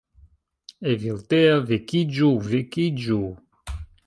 "Evildea... vekiĝu... vekiĝu..."